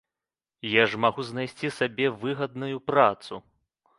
Я ж магу знайсці сабе выгадную працу.